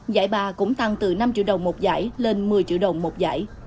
giải ba cũng tăng từ năm triệu đồng một giải lên một mươi triệu đồng một giải